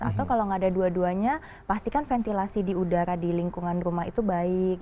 atau kalau nggak ada dua duanya pastikan ventilasi di udara di lingkungan rumah itu baik